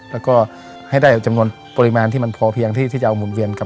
แล้วก็ให้ได้จำนวนปริมาณที่มันพอเพียงที่จะเอาหมุนเวียนครับ